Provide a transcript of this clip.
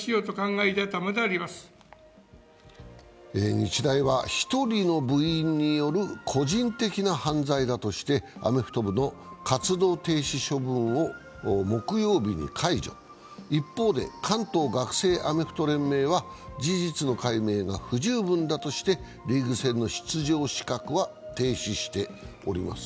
日大は１人の部員による個人的な犯罪だとして、アメフト部の活動停止処分を木曜日に解除、一方で関東学生アメフト連盟は事実の解明が不十分だとしてリーグ戦の出場資格は停止しております。